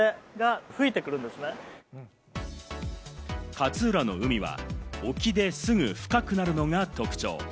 勝浦の海は沖ですぐ深くなるのが特徴。